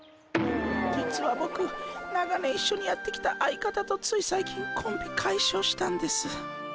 実はボク長年一緒にやってきた相方とつい最近コンビ解消したんです。